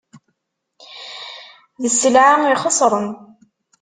D sselɛa ixesren.